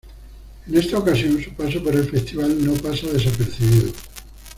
En esta ocasión, su paso por el festival no pasa desapercibido.